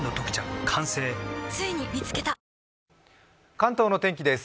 関東の天気です。